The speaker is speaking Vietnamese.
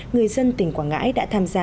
người dân tỉnh quảng ngãi đã tham gia